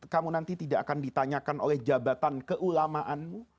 kamu nanti tidak akan ditanyakan oleh jabatan keulamaanmu